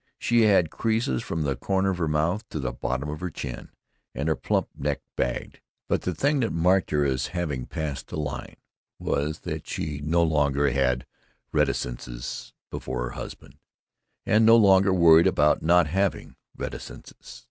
She had creases from the corners of her mouth to the bottom of her chin, and her plump neck bagged. But the thing that marked her as having passed the line was that she no longer had reticences before her husband, and no longer worried about not having reticences.